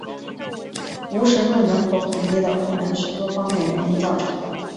无神论人口统计的困难是多方面原因造成的。